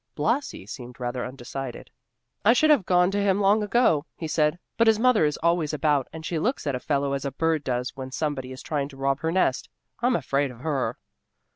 Blasi seemed rather undecided. "I should have gone to him long ago," he said, "but his mother is always about, and she looks at a fellow as a bird does when somebody is trying to rob her nest. I'm afraid of her."